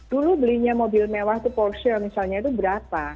dulu belinya mobil mewah itu porshir misalnya itu berapa